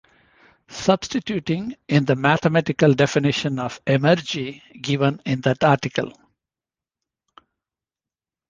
Substituting in the mathematical definition of emergy given in that article.